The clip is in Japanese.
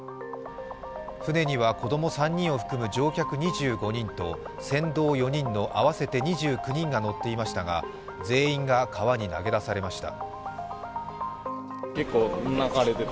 舟には子供３人を含む乗客２５人と船頭４人の合わせて２９人が乗っていましたが、全員が川に投げ出されました。